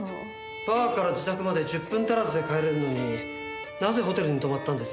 バーから自宅まで１０分足らずで帰れるのになぜホテルに泊まったんです？